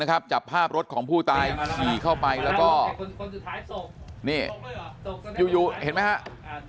จับภาพรถของผู้ตายขี่เข้าไปแล้วก็นี่อยู่เห็นไหมครับ